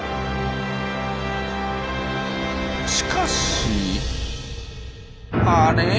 しかしあれ？